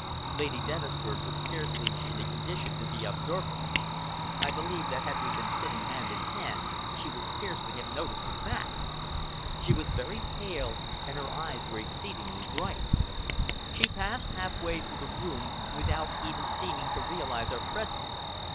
Lady Dennisford was scarcely in a condition to be observant. I believe that if we had been sitting hand in hand, she would scarcely have noticed the fact. She was very pale, and her eyes were exceedingly bright. She passed half way through the room without even seeming to realize our presence.